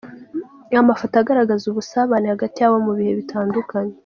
Amafoto agaragaza ubusabane hagati yabo mu bihe bitandukanye.